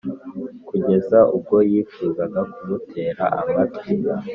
kugeza ubwo yifuzaga kumutera amatwi.